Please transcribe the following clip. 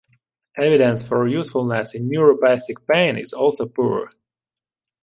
Evidence for usefulness in neuropathic pain is also poor.